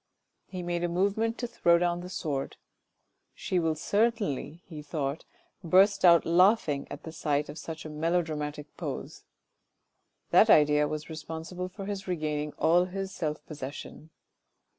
He made a movement to throw down the sword. " She will certainly," he thought, " burst out laughing at the sight of such a melodramatic pose :" that idea was responsible for his regaining all his self possession.